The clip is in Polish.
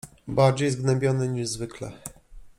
bardziej zgnębiony niż zwykle.